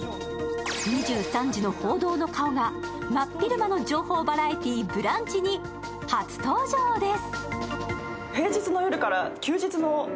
２３時の報道の顔が真っ昼間の情報バラエティー、「ブランチ」に初登場です。